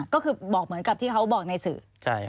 ก็คือบอกเหมือนกับที่เขาบอกในสื่อ